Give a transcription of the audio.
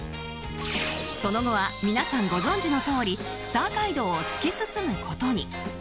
その後は皆さんご存じのとおりスター街道を突き進むことに。